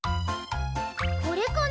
これかな？